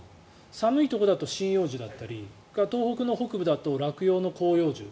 寒いところだと針葉樹だったり東北の北部だと落葉の広葉樹。